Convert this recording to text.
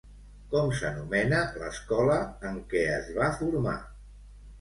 Com s'anomena l'escola en què es va formar?